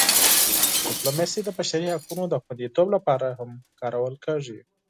ډیپلوماسي د بشري حقونو د خوندیتوب لپاره هم کارول کېږي.